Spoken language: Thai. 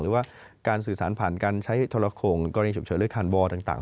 หรือว่าการสื่อสารผ่านการใช้ทะละโคงกรณีเฉียบเฉยเลือดคานบอร์ตต่าง